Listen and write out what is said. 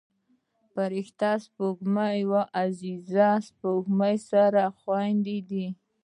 فرشته سپوږمۍ او عزیزه سپوږمۍ سره خویندې دي